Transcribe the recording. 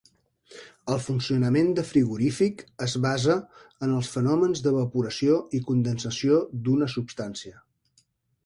El funcionament de frigorífic es basa en els fenòmens d'evaporació i condensació d'una substància.